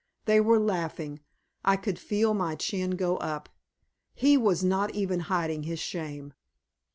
They were laughing; I could feel my chin go up. He was not even hiding his shame.